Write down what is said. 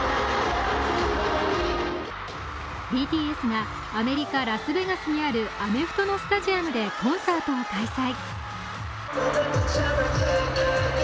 ＢＴＳがアメリカ・ラスベガスにあるアメフトのスタジアムでコンサートを開催。